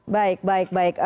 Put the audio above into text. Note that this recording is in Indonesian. baik baik baik